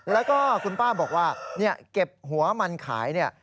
แล้วก็คุณป้าบอกว่าเก็บหัวมันขายเนี่ย